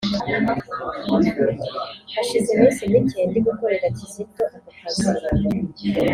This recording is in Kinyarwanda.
Hashize iminsi mike ndi gukorera Kizito ako kazi